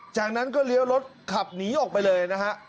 จากนั้นก็เลี้ยวรถขับหนีออกไปเลยนะฮะ